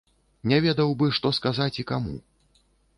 Не ведаў бы, што сказаць і каму.